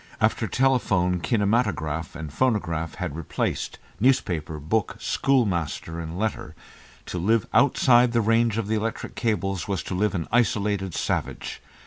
After telephone, kinematograph and phonograph had replaced newspaper, book, schoolmaster, and letter, to live outside the range of the electric cables was to live an isolated savage.